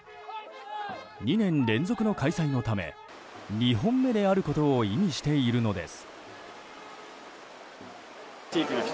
２年連続の開催のため２本目であることを意味しているのです。